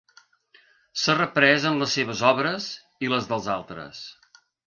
S'ha reprès en les seves obres, i les dels altres.